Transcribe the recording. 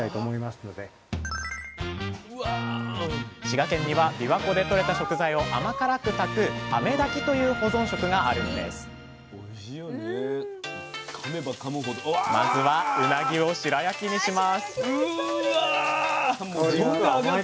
滋賀県にはびわ湖でとれた食材を甘辛く炊く「あめ炊き」という保存食があるんですまずはうなぎを白焼きにします